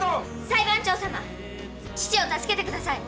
裁判長様父を助けてください！